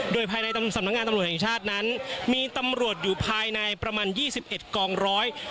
โดยภายในสำนักงานตำรวจแห่งชาตินั้นมีตำรวจอยู่ภายในประมาณ๒๑กองร้อย